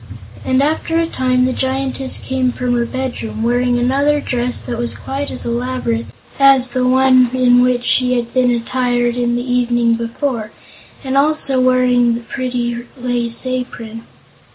And after a time the Giantess came from her bedroom, wearing another dress that was quite as elaborate as the one in which she had been attired the evening before, and also wearing the pretty lace apron.